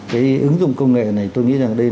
cái ứng dụng công nghệ này tôi nghĩ rằng đây